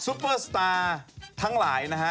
ปเปอร์สตาร์ทั้งหลายนะฮะ